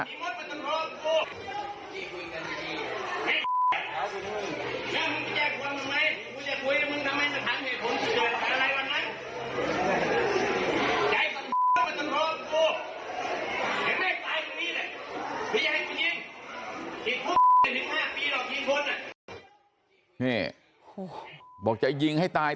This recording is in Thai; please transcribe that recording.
ติดคุกไม่ถึงห้าปีหรอกยิงคนนี่โอ้โหบอกจะยิงให้ตาย